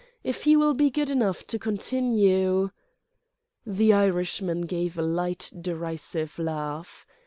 If he will be good enough to continue ..." The Irishman gave a light, derisive laugh.